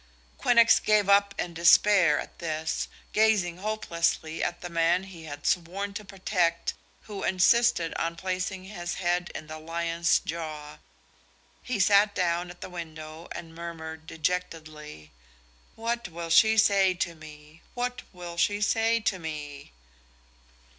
Quinnox gave up in despair at this, gazing hopelessly at the man he had sworn to protect, who insisted on placing his head in the lion's jaw. He sat down at the window and murmured dejectedly: "What will she say to me what will she say to me?"